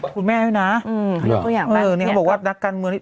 คุณแม่ให้นะนี่เขาบอกว่านักการเมือง